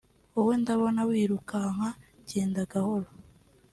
wowe ndabona wirukanka genda gahoro